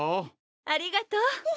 ありがとう。